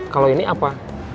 kalau ini apa